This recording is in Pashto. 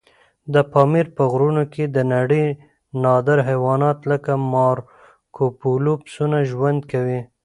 د پامیر په غرونو کې د نړۍ نادر حیوانات لکه مارکوپولو پسونه ژوند کوي.